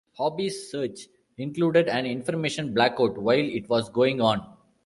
Hobby's search included an information blackout while it was going on.